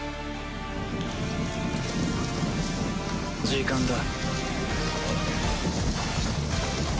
時間だ。